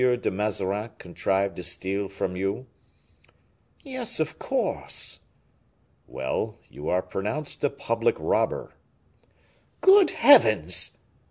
de Mazarin contrived to steal from you?" "Yes, of course!" "Well, you are pronounced a public robber." "Good heavens!"